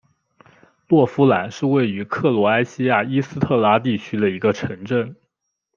洛夫兰是位于克罗埃西亚伊斯特拉地区的一个城镇。